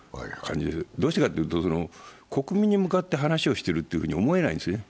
どうしてかと言うと、国民に向かって話をしているというふうに思えないんですね。